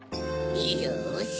よし！